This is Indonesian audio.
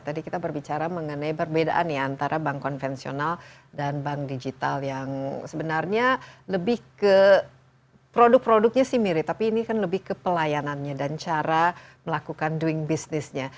tadi kita berbicara mengenai perbedaan ya antara bank konvensional dan bank digital yang sebenarnya lebih ke produk produknya sih mirip tapi ini kan lebih ke pelayanannya dan cara melakukan doing business nya